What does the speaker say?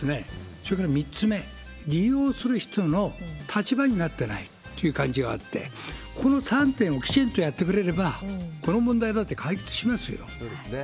それから３つ目、利用する人の立場になってないっていう感じがあって、この３点をきちっとやってくれれば、そうですね。